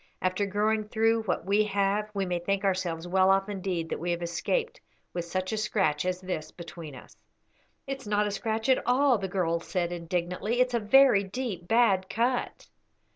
After going through what we have we may think ourselves well off indeed that we have escaped with such a scratch as this between us." "It's not a scratch at all," the girl said, indignantly; "it's a very deep bad cut."